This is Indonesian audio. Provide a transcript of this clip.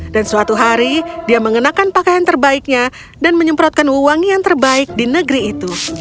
dan suatu hari dia mengenakan pakaian terbaiknya dan menyemprotkan wangi yang terbaik di negeri itu